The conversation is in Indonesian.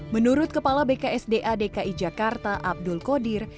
menurut kepala bksda dki jakarta abdul qadir